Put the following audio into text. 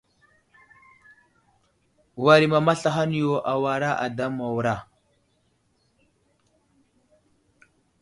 War i mama slahaŋ yo awara ada Mawra.